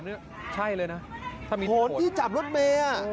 เอ่อใช่เลยนะถ้ามีโหนที่จับรถเมย์เออ